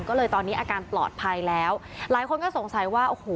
ก็เลยตอนนี้อาการปลอดภัยแล้วหลายคนก็สงสัยว่าโอ้โห